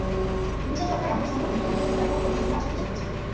দেশাই সরকারের আমলে সংঘ খানিকটা নিজেদের ঘেরাটোপ থেকে বেরিয়ে আসার চেষ্টা করেছিল।